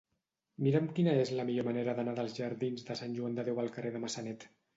Mira'm quina és la millor manera d'anar dels jardins de Sant Joan de Déu al carrer de Massanet.